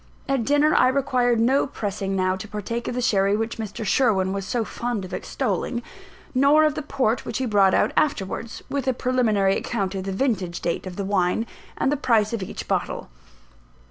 At dinner, I required no pressing now to partake of the sherry which Mr. Sherwin was so fond of extolling, nor of the port which he brought out afterwards, with a preliminary account of the vintage date of the wine, and the price of each bottle.